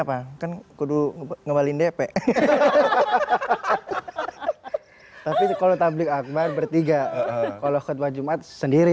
apa kan kudu ngembalin dp tapi kalau tablik akbar bertiga kalau kedua jumat sendiri